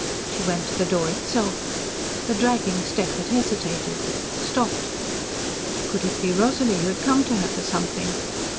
She went to the door itself. The dragging step had hesitated stopped. Could it be Rosalie who had come to her for something.